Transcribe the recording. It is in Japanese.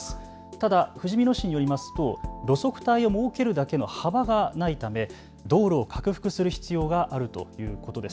ただ、ふじみ野市によりますと路側帯を設けるだけの幅がないため道路を拡幅する必要があるということです。